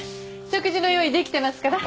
食事の用意できてますから。